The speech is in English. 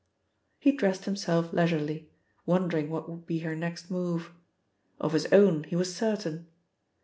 He dressed himself leisurely, wondering what would be her next move. Of his own he was certain.